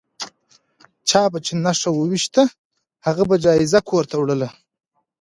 چا به چې نښه وویشته هغه به جایزه کور ته وړله.